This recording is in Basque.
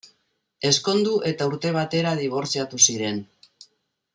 Ezkondu eta urte batera dibortziatu ziren.